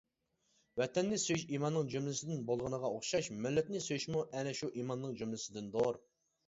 «ۋەتەننى سۆيۈش ئىمانىنىڭ جۈملىسىدىن» بولغىنىغا ئوخشاش، مىللەتنى سۆيۈشمۇ ئەنە شۇ ئىمانىنىڭ جۈملىسىدىندۇر.